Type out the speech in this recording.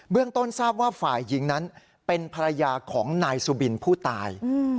ต้นทราบว่าฝ่ายหญิงนั้นเป็นภรรยาของนายสุบินผู้ตาย